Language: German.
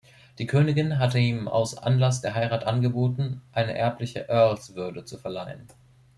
Die Königin hatte ihm aus Anlass der Heirat angeboten, eine erbliche Earlswürde zu verleihen.